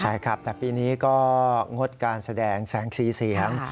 ใช่ครับแต่ปีนี้ก็งดการแสดงแสงสีเสียง